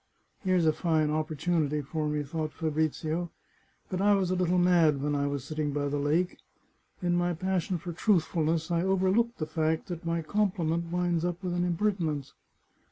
" Here's a fine opportunity for me," thought Fabrizio. " But I was a little mad when I was sitting by the lake. In my passion for truthfulness I overlooked the fact that my compliment winds up with an impertinence.